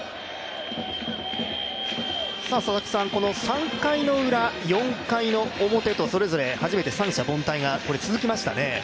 ３回ウラ、４回表と、初めて三者凡退が続きましたね。